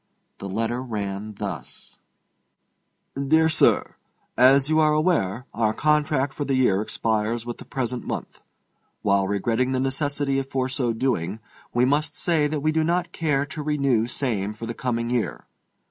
The letter ran thus: DEAR SIR: As you are aware, our contract for the year expires with the present month. While regretting the necessity for so doing, we must say that we do not care to renew same for the coming year.